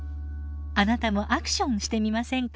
あなたもアクションしてみませんか？